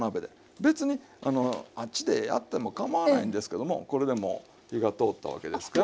別にあっちでやってもかまわないんですけどもこれでもう火が通ったわけですから。